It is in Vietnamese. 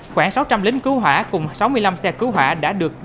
khoảng sáu trăm linh lính cứu hỏa cùng sáu mươi năm xe cứu hỏa đã được phá hủy